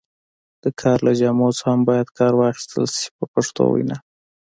د کار له جامو څخه هم باید کار واخیستل شي په پښتو وینا.